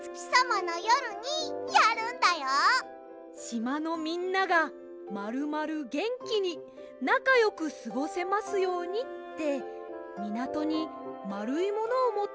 しまのみんながまるまるげんきになかよくすごせますようにってみなとにまるいものをもってきてかざるんです。